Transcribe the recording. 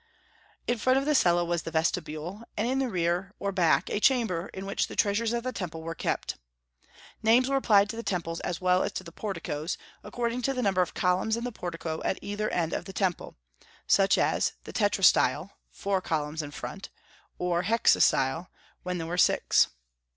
In front of the cella was the vestibule, and in the rear or back a chamber in which the treasures of the temple were kept. Names were applied to the temples as well as to the porticos, according to the number of columns in the portico at either end of the temple, such as the tetrastyle (four columns in front), or hexastyle (when there were six).